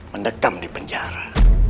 mendekam di penjara